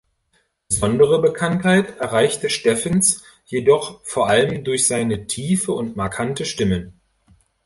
Besondere Bekanntheit erreichte Steffens jedoch vor allem durch seine tiefe und markante Stimme.